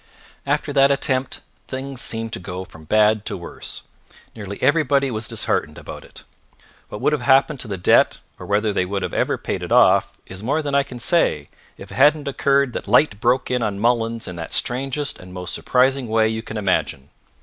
After that attempt things seemed to go from bad to worse. Nearly everybody was disheartened about it. What would have happened to the debt, or whether they would have ever paid it off, is more than I can say, if it hadn't occurred that light broke in on Mullins in the strangest and most surprising way you can imagine.